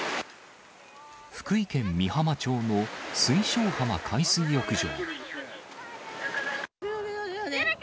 福井県美浜町の水晶浜海水浴場。